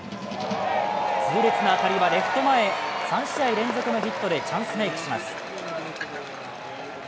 痛烈な当たりはレフト前へ、３試合連続のヒットでチャンスメークします。